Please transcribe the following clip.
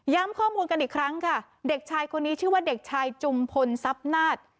ข้อมูลกันอีกครั้งค่ะเด็กชายคนนี้ชื่อว่าเด็กชายจุมพลทรัพย์นาศ